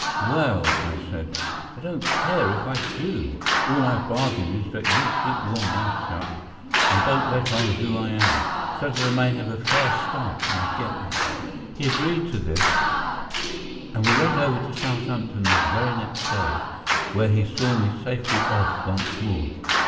"Well," I said, "I don't care if I do. All I bargain is that you keep your mouth shut and don't let on who I am, so that I may have a fair start when I get there." He agreed to this, and we went over to Southampton the very next day, where he saw me safely off once more.